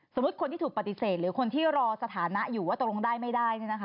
คนที่ถูกปฏิเสธหรือคนที่รอสถานะอยู่ว่าตกลงได้ไม่ได้